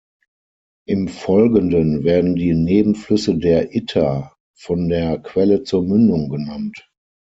Im Folgenden werden die Nebenflüsse der Itter von der Quelle zur Mündung genannt.